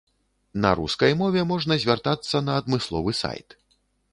На рускай мове можна звяртацца на адмысловы сайт.